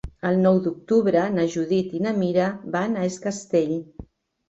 El nou d'octubre na Judit i na Mira van a Es Castell.